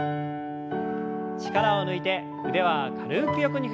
力を抜いて腕は軽く横に振りましょう。